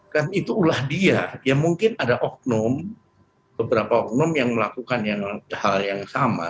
kan itu ulah dia ya mungkin ada oknum beberapa oknum yang melakukan hal yang sama